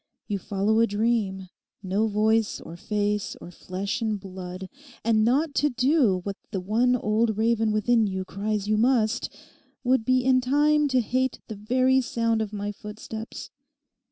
You follow a dream, no voice or face or flesh and blood; and not to do what the one old raven within you cries you must, would be in time to hate the very sound of my footsteps.